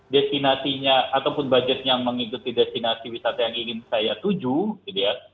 destinasinya ataupun budgetnya mengikuti destinasi wisata yang ingin saya tuju gitu ya